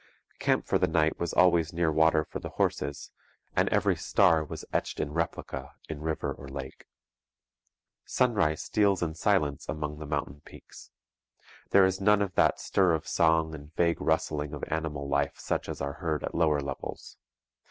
Camp for the night was always near water for the horses; and every star was etched in replica in river or lake. Sunrise steals in silence among the mountain peaks. There is none of that stir of song and vague rustling of animal life such as are heard at lower levels.